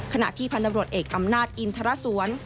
ขณะที่พันธบรวจเอกอำนาจอินทรสวน